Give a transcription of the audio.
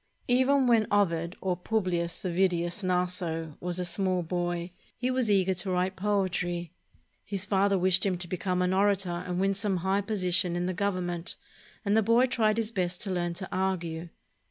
Even when Ovid, or Publius Ovidius Naso, was a small boy, he was eager to write poetry. His father wished him to become an orator and win some high posi tion in the Government, and the boy tried his best to learn to argue.